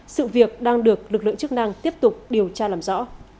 sự việc đang được lực lượng chức năng tiếp tục điều tra làm rõ